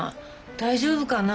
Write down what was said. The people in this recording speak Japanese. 大丈夫かな？